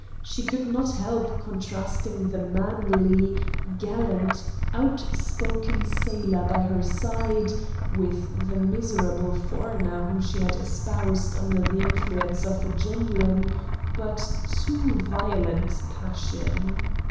She could not help contrasting the manly, gallant, out spoken sailor by her side with the miserable foreigner whom she had espoused under the influence of a genuine but too violent passion.